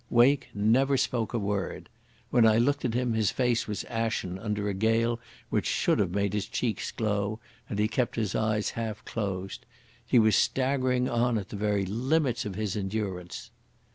Wake never spoke a word. When I looked at him his face was ashen under a gale which should have made his cheeks glow, and he kept his eyes half closed. He was staggering on at the very limits of his endurance....